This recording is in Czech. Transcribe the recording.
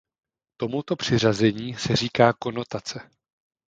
Tomuto přiřazení se říká konotace.